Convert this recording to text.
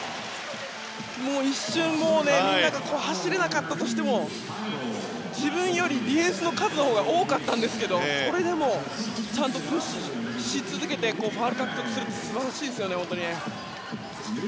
一瞬、走れなかったとしても自分よりディフェンスの数が多かったんですがそれでも、ちゃんとプッシュし続けてファウルを獲得して素晴らしいですね。